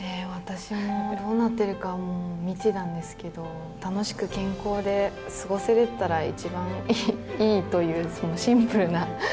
私もどうなってるか、もう未知なんですけど、楽しく健康で過ごせれてたら、一番いいという、シンプルな。